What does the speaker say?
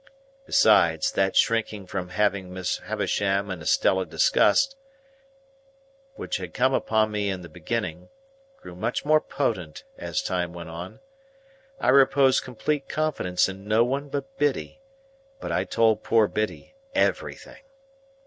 Besides, that shrinking from having Miss Havisham and Estella discussed, which had come upon me in the beginning, grew much more potent as time went on. I reposed complete confidence in no one but Biddy; but I told poor Biddy everything.